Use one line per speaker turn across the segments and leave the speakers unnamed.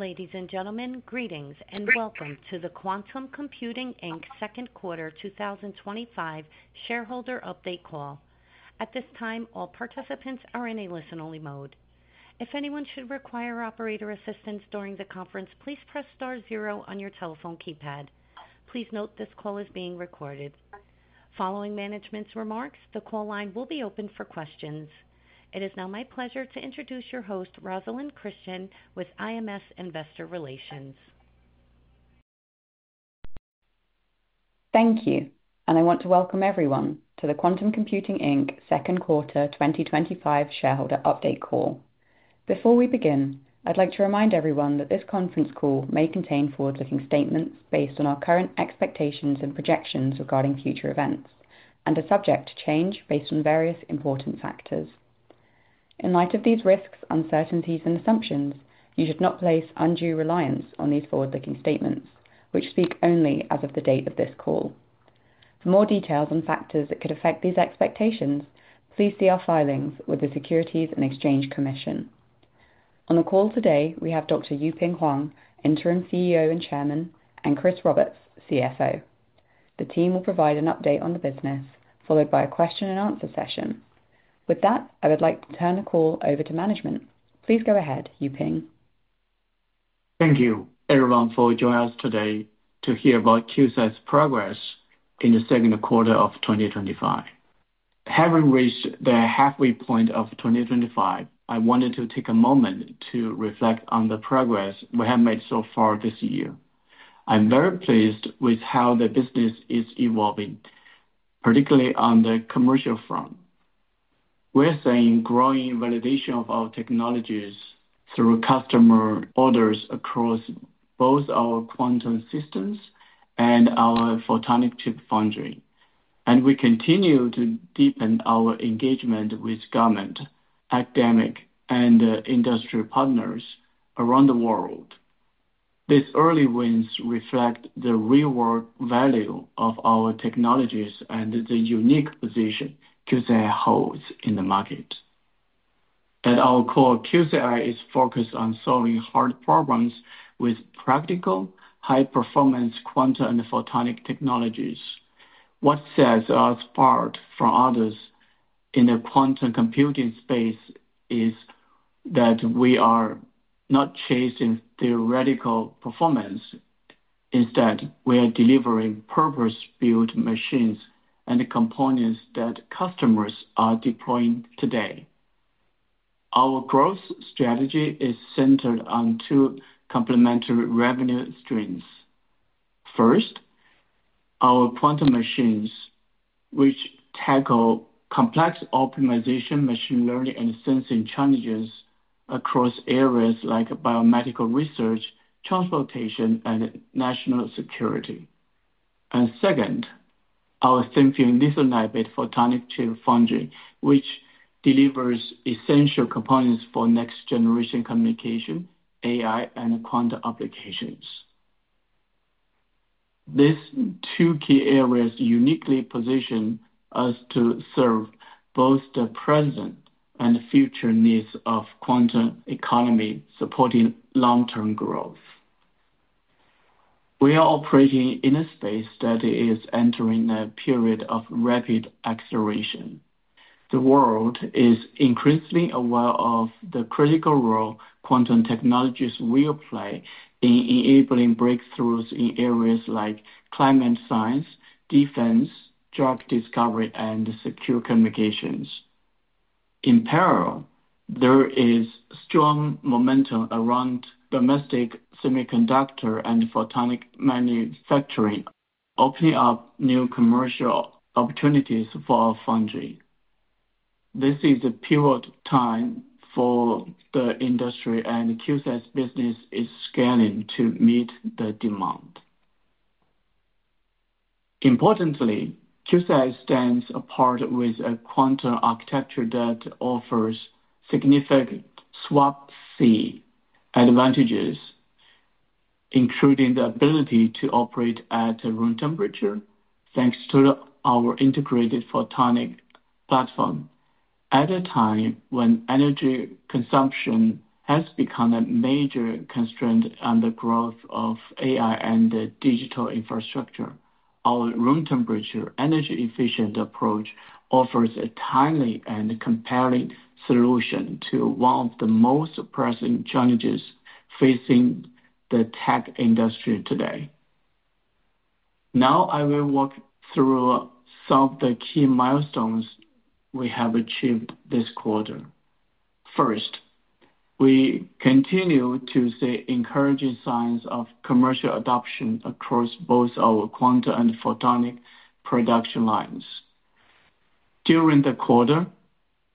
Ladies and gentlemen, greetings and welcome to the Quantum Computing Inc Second Quarter 2025 Shareholder Update Call. At this time, all participants are in a listen-only mode. If anyone should require operator assistance during the conference, please press star zero on your telephone keypad. Please note this call is being recorded. Following management's remarks, the call line will be open for questions. It is now my pleasure to introduce your host, Rosalyn Christian, with IMS Investor Relations.
Thank you, and I want to welcome everyone to the Quantum Computing Inc second quarter 2025 shareholder update call. Before we begin, I'd like to remind everyone that this conference call may contain forward-looking statements based on our current expectations and projections regarding future events and are subject to change based on various important factors. In light of these risks, uncertainties, and assumptions, you should not place undue reliance on these forward-looking statements, which speak only as of the date of this call. For more details on factors that could affect these expectations, please see our filings with the Securities and Exchange Commission. On the call today, we have Dr. Yuping Huang, Interim CEO and Chairman, and Chris Roberts, CFO. The team will provide an update on the business, followed by a question and answer session. With that, I would like to turn the call over to management. Please go ahead, Yuping.
Thank you, everyone, for joining us today to hear about QCI progress in the second quarter of 2025. Having reached the halfway point of 2025, I wanted to take a moment to reflect on the progress we have made so far this year. I'm very pleased with how the business is evolving, particularly on the commercial front. We're seeing growing validation of our technologies through customer orders across both our quantum systems and our photonic chip foundry. We continue to deepen our engagement with government, academic, and industry partners around the world. These early wins reflect the real-world value of our technologies and the unique position QCI holds in the market. At our call, QCI is focused on solving hard problems with practical, high-performance quantum and photonic technologies. What sets us apart from others in the quantum computing space is that we are not chasing theoretical performance; instead, we are delivering purpose-built machines and components that customers are deploying today. Our growth strategy is centered on two complementary revenue streams. First, our quantum machines, which tackle complex optimization, machine learning, and sensing challenges across areas like biomedical research, transportation, and national security. Second, our thin-film lithium niobate photonic chip foundry delivers essential components for next-generation communication, AI, and quantum applications. These two key areas uniquely position us to serve both the present and future needs of the quantum economy, supporting long-term growth. We are operating in a space that is entering a period of rapid acceleration. The world is increasingly aware of the critical role quantum technologies will play in enabling breakthroughs in areas like climate science, defense, drug discovery, and secure communications. In parallel, there is strong momentum around domestic semiconductor and photonic manufacturing, opening up new commercial opportunities for our foundry. This is a pivotal time for the industry, and QCI business is scaling to meet the demand. Importantly, QCI stands apart with a quantum architecture that offers significant swap-sea advantages, including the ability to operate at room temperature, thanks to our integrated photonic platform. At a time when energy consumption has become a major constraint on the growth of AI and digital infrastructure, our room temperature energy-efficient approach offers a timely and compelling solution to one of the most pressing challenges facing the tech industry today. Now, I will walk through some of the key milestones we have achieved this quarter. First, we continue to see encouraging signs of commercial adoption across both our quantum and photonic production lines. During the quarter,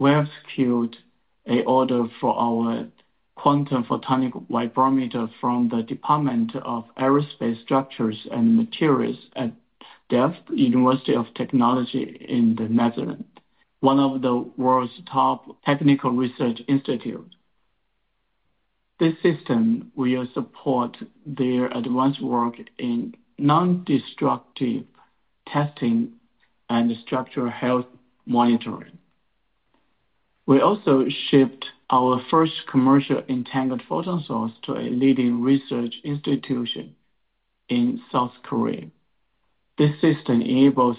we have secured an order for our quantum photonic vibrometer from the Department of Aerospace Structures and Materials at Delft University of Technology in the Netherlands, one of the world's top technical research institutes. This system will support their advanced work in non-destructive testing and structural health monitoring. We also shipped our first commercial entangled photon source to a leading research institution in South Korea. This system enables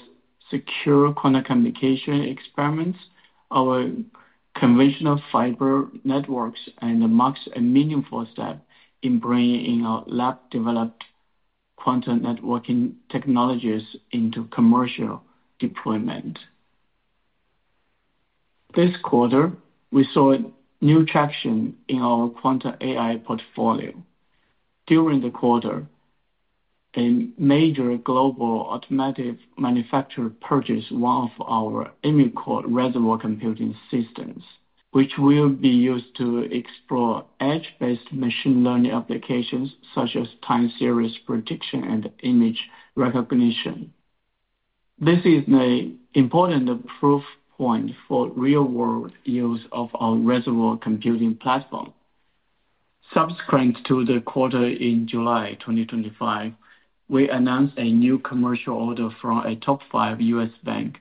secure quantum communication experiments. Our conventional fiber networks are a much meaningful step in bringing our lab-developed quantum networking technologies into commercial deployment. This quarter, we saw new traction in our quantum AI portfolio. During the quarter, a major global automotive manufacturer purchased one of our EmuCore reservoir computing systems, which will be used to explore edge-based machine learning applications such as time series prediction and image recognition. This is an important proof point for real-world use of our reservoir computing platform. Subsequent to the quarter in July 2025, we announced a new commercial order from a top five US bank,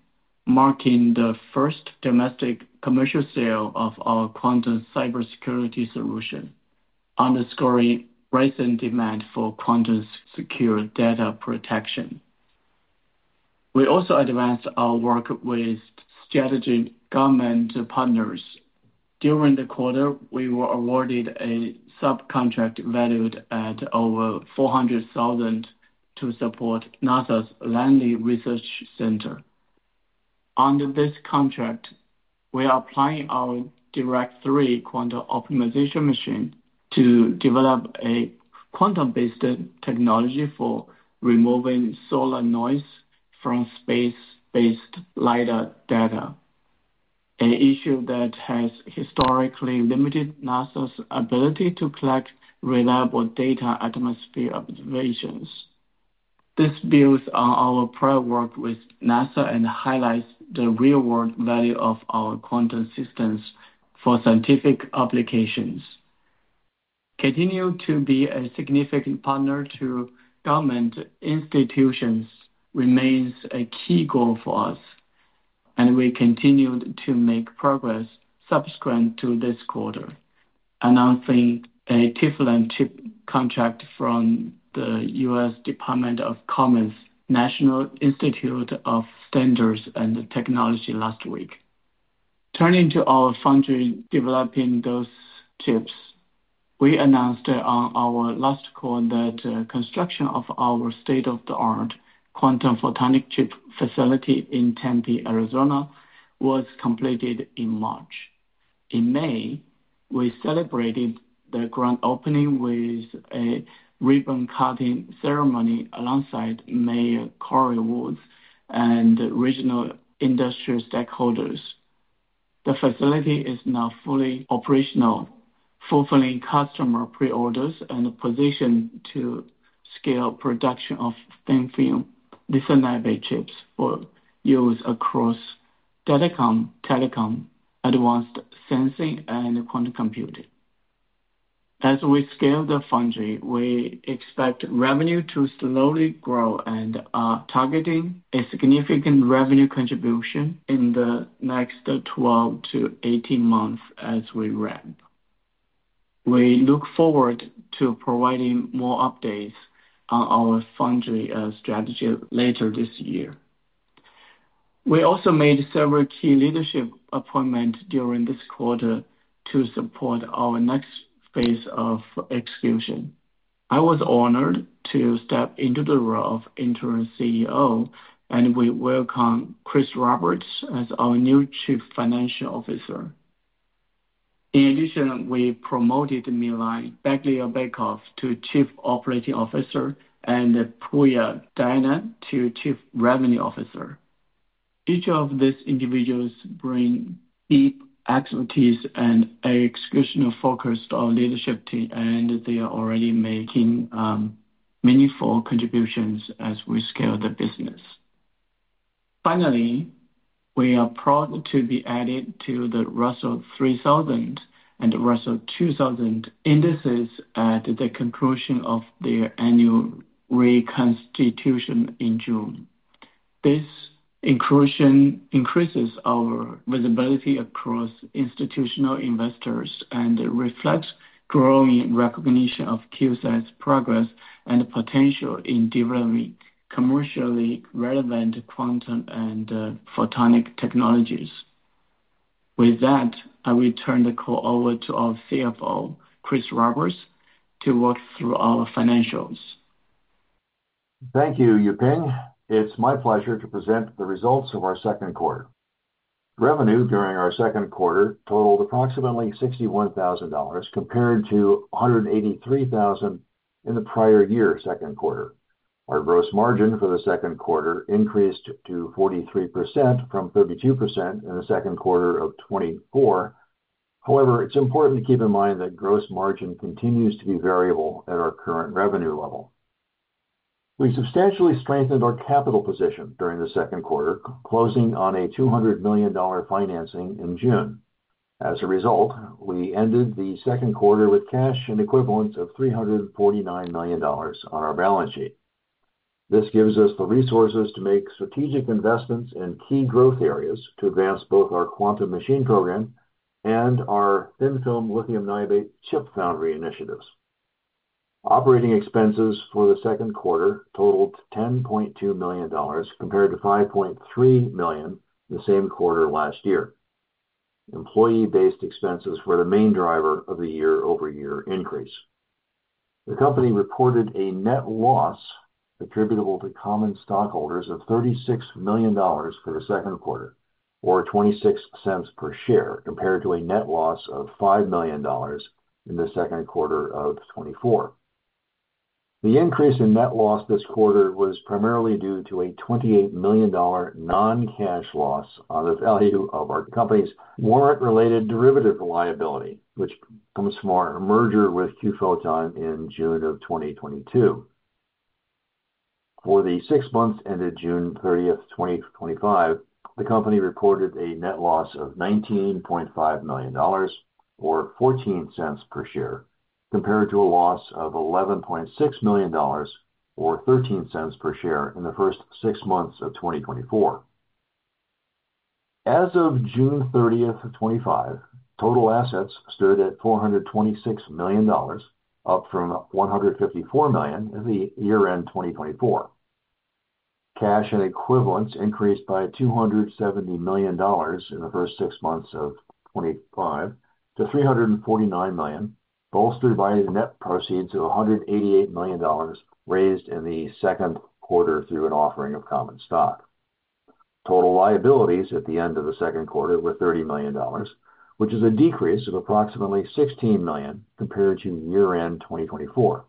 marking the first domestic commercial sale of our quantum cybersecurity solution, underscoring rising demand for quantum-secure data protection. We also advanced our work with strategic government partners. During the quarter, we were awarded a subcontract valued at over $400,000 to support NASA's Langley Research Center. Under this contract, we are applying our DiRAC-3 quantum optimization machine to develop a quantum-based technology for removing solar noise from space-based LiDAR data, an issue that has historically limited NASA's ability to collect reliable data atmosphere observations. This builds on our prior work with NASA and highlights the real-world value of our quantum systems for scientific applications. Continuing to be a significant partner to government institutions remains a key goal for us, and we continue to make progress subsequent to this quarter, announcing a Teflon chip contract from the U.S. Department of Commerce National Institute of Standards and Technology last week. Turning to our foundry developing those chips, we announced on our last call that construction of our state-of-the-art quantum photonic chip foundry in Tempe, Arizona, was completed in March. In May, we celebrated the grand opening with a ribbon-cutting ceremony alongside Mayor Cory Woods and regional industry stakeholders. The facility is now fully operational, fulfilling customer pre-orders and positioned to scale production of thin-film lithium niobate based chips for use across telecom, advanced sensing, and quantum computing. As we scale the foundry, we expect revenue to slowly grow and are targeting a significant revenue contribution in the next 12-18 months as we ramp. We look forward to providing more updates on our foundry strategy later this year. We also made several key leadership appointments during this quarter to support our next phase of execution. I was honored to step into the role of Interim CEO, and we welcome Chris Roberts as our new Chief Financial Officer. In addition, we promoted Milan Beglia-Bekov to Chief Operating Officer and Pouya Dianat to Chief Revenue Officer. Each of these individuals brings deep expertise and an exceptional focus to our leadership team, and they are already making meaningful contributions as we scale the business. Finally, we are proud to be added to the Russell 3000 and Russell 2000 indices at the conclusion of their annual reconstitution in June. This inclusion increases our visibility across institutional investors and reflects growing recognition of QCI progress and potential in developing commercially relevant quantum and photonic technologies. With that, I will turn the call over to our CFO, Chris Roberts, to walk through our financials.
Thank you, Yuping. It's my pleasure to present the results of our second quarter. Revenue during our second quarter totaled approximately $61,000, compared to $183,000 in the prior year's second quarter. Our gross margin for the second quarter increased to 43% from 32% in the second quarter of 2024. However, it's important to keep in mind that gross margin continues to be variable at our current revenue level. We substantially strengthened our capital position during the second quarter, closing on a $200 million financing in June. As a result, we ended the second quarter with cash and equivalents of $349 million on our balance sheet. This gives us the resources to make strategic investments in key growth areas to advance both our quantum machine program and our thin-film lithium niobate chip foundry initiatives. Operating expenses for the second quarter totaled $10.2 million, compared to $5.3 million in the same quarter last year. Employee-based expenses were the main driver of the year-over-year increase. The company reported a net loss attributable to common stockholders of $36 million for the second quarter, or $0.26 per share, compared to a net loss of $5 million in the second quarter of 2024. The increase in net loss this quarter was primarily due to a $28 million non-cash loss on the value of our company's warrant derivative liabilities, which comes from our merger with Q-Photon in June of 2022. For the six months ended June 30, 2025, the company reported a net loss of $19.5 million, or $0.14 per share, compared to a loss of $11.6 million, or $0.13 per share in the first six months of 2024. As of June 30, 2025, total assets stood at $426 million, up from $154 million at the year-end of 2024. Cash and equivalents increased by $270 million in the first six months of 2025 to $349 million, bolstered by net proceeds of $188 million raised in the second quarter through an offering of common stock. Total liabilities at the end of the second quarter were $30 million, which is a decrease of approximately $16 million compared to year-end 2024.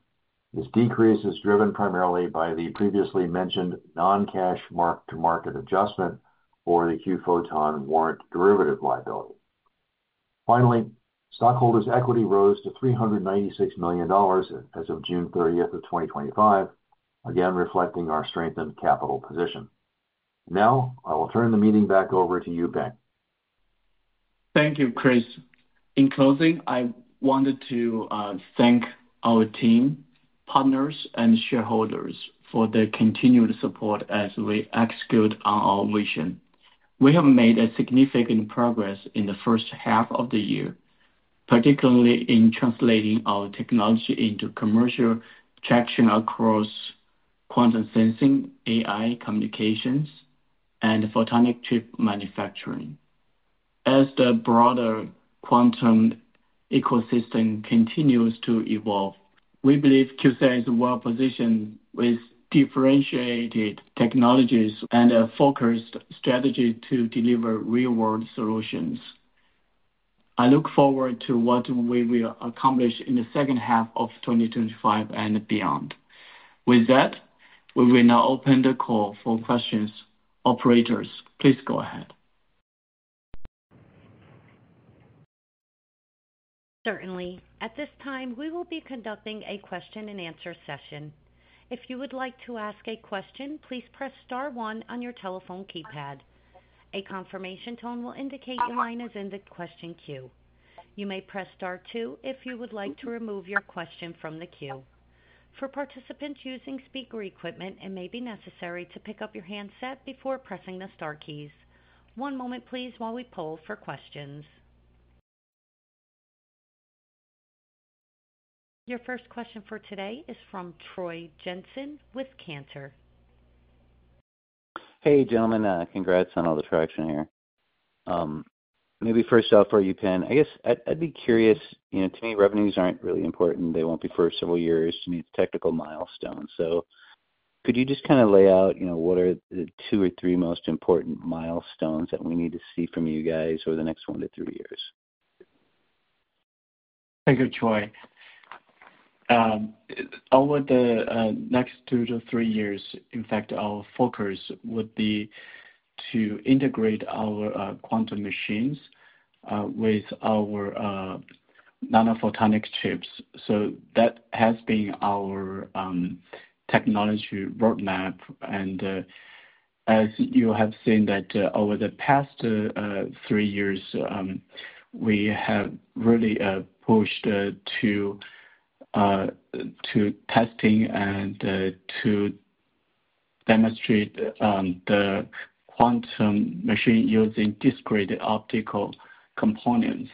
This decrease is driven primarily by the previously mentioned non-cash mark-to-market adjustment for the Q-Photon warrant derivative liabilities. Finally, stockholders' equity rose to $396 million as of June 30, 2025, again reflecting our strengthened capital position. Now, I will turn the meeting back over to Yuping.
Thank you, Chris. In closing, I wanted to thank our team, partners, and shareholders for their continued support as we execute on our vision. We have made significant progress in the first half of the year, particularly in translating our technology into commercial traction across quantum sensing, AI communications, and photonic chip manufacturing. As the broader quantum ecosystem continues to evolve, we believe QCI is well-positioned with differentiated technologies and a focused strategy to deliver real-world solutions. I look forward to what we will accomplish in the second half of 2025 and beyond. With that, we will now open the call for questions. Operators, please go ahead.
Certainly. At this time, we will be conducting a question and answer session. If you would like to ask a question, please press star one on your telephone keypad. A confirmation tone will indicate your line is in the question queue. You may press star two if you would like to remove your question from the queue. For participants using speaker equipment, it may be necessary to pick up your handset before pressing the star keys. One moment, please, while we poll for questions. Your first question for today is from Troy Jensen with Cantor.
Hey, gentlemen, congrats on all the traction here. Maybe first off for Yuping, I guess I'd be curious, you know, to me, revenues aren't really important. They won't be for several years. To me, it's technical milestones. Could you just kind of lay out what are the two or three most important milestones that we need to see from you guys over the next one to three years?
Thank you, Troy. Over the next two to three years, in fact, our focus would be to integrate our quantum machines with our nanophotonic chips. That has been our technology roadmap. As you have seen over the past three years, we have really pushed to testing and to demonstrate the quantum machine using discrete optical components.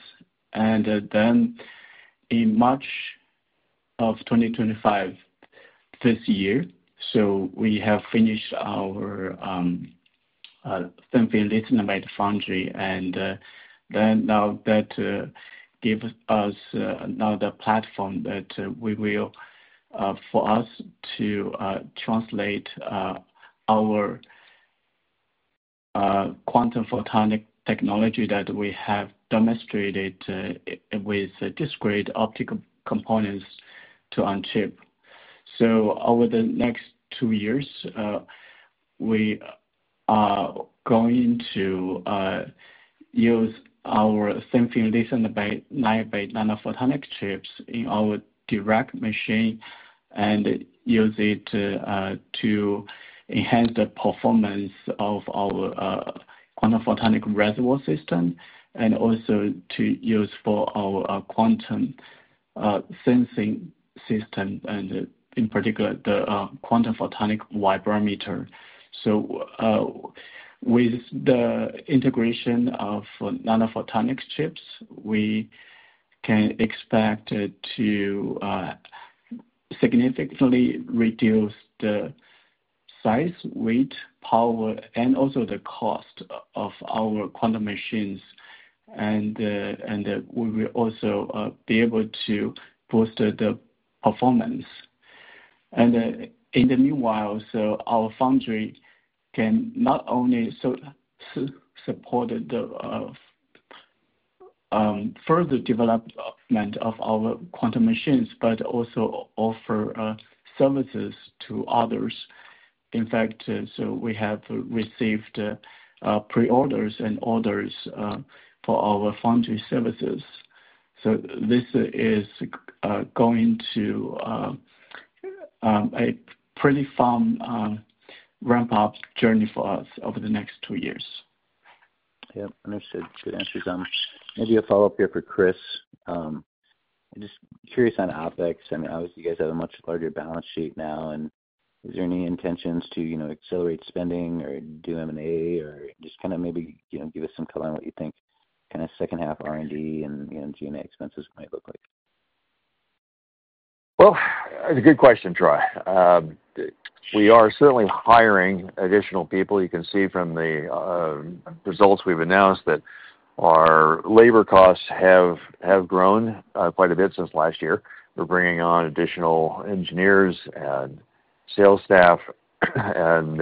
In March of 2025, this year, we have finished our quantum photonic chip foundry. That gives us the platform for us to translate our quantum photonic technology that we have demonstrated with discrete optical components on chip. Over the next two years, we are going to use our nanophotonic chips in our DiRAC-3 quantum optimization machine and use it to enhance the performance of our quantum photonic reservoir system and also to use for our quantum sensing system, in particular, the quantum photonic vibrometer. With the integration of nanophotonic chips, we can expect to significantly reduce the size, weight, power, and also the cost of our quantum machines. We will also be able to boost the performance. In the meanwhile, our foundry can not only support the further development of our quantum machines, but also offer services to others. In fact, we have received pre-orders and orders for our foundry services. This is going to be a pretty fun ramp-up journey for us over the next two years.
Yep, understood. Good answers. Maybe a follow-up here for Chris. Just curious on OpEx. Obviously, you guys have a much larger balance sheet now. Is there any intention to accelerate spending or do M&A, or just maybe give us some color on what you think second-half R&D and G&A expenses might look like?
That's a good question, Troy. We are certainly hiring additional people. You can see from the results we've announced that our labor costs have grown quite a bit since last year. We're bringing on additional engineers and sales staff and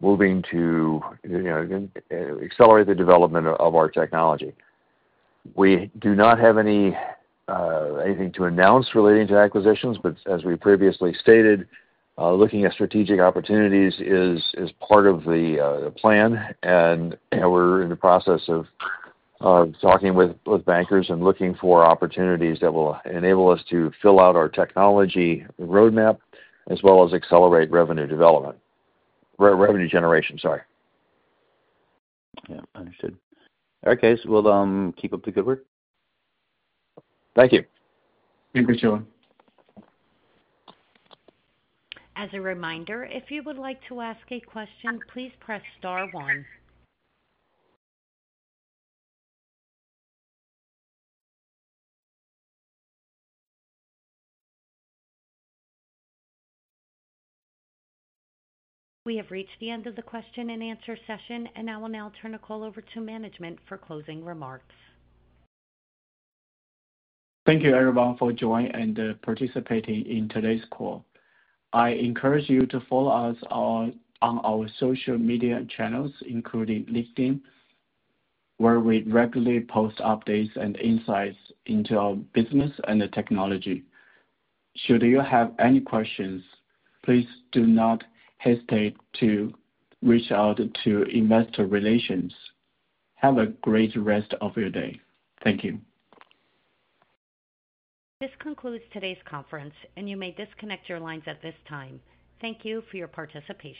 moving to accelerate the development of our technology. We do not have anything to announce relating to acquisitions, but as we previously stated, looking at strategic opportunities is part of the plan. We are in the process of talking with bankers and looking for opportunities that will enable us to fill out our technology roadmap as well as accelerate revenue development, revenue generation, sorry.
Yeah, understood. All right, guys. We'll keep up the good work.
Thank you.
As a reminder, if you would like to ask a question, please press star one. We have reached the end of the question and answer session, and I will now turn the call over to management for closing remarks.
Thank you, everyone, for joining and participating in today's call. I encourage you to follow us on our social media channels, including LinkedIn, where we regularly post updates and insights into our business and the technology. Should you have any questions, please do not hesitate to reach out to Investor Relations. Have a great rest of your day. Thank you.
This concludes today's conference, and you may disconnect your lines at this time. Thank you for your participation.